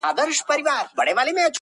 لونگيه دا خبره دې سهې ده.